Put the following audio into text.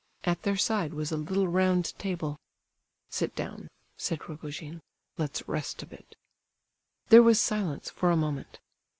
At their side was a little round table. "Sit down," said Rogojin; "let's rest a bit." There was silence for a moment.